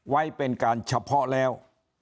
ไว้เป็นการเฉพาะแล้ว